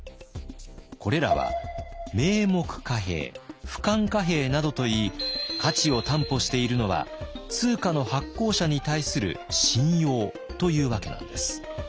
これらは名目貨幣・不換貨幣などといい価値を担保しているのは通貨の発行者に対する「信用」というわけなんです。